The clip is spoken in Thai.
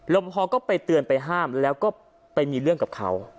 พอก็ไปเตือนไปห้ามแล้วก็ไปมีเรื่องกับเขา